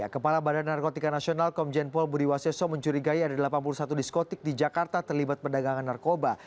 kepala badan narkotika nasional komjen pol budi waseso mencurigai ada delapan puluh satu diskotik di jakarta terlibat perdagangan narkoba